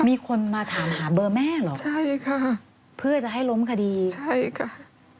มีคนมาถามหาเบอร์แม่หรอพ่อจะให้ล้มคดีใช่ค่ะ